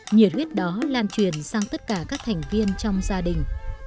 nhiệt huyết đó lan truyền sang tất cả các thành viên trong gia đình